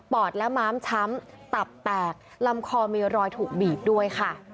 อดและม้ามช้ำตับแตกลำคอมีรอยถูกบีบด้วยค่ะ